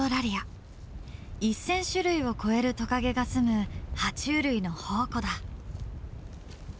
１，０００種類を超えるトカゲがすむ爬虫類の宝庫だ。